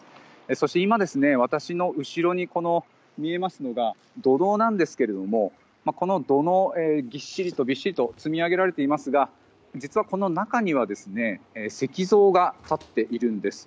そして今、私の後ろに見えるのが土のうなんですがこの土のう、ぎっしりと積み上げられていますが実はこの中には石像が立っているんです。